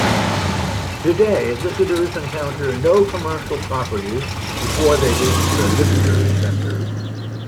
Today, visitors encounter no commercial properties before they reach the Visitor's Center.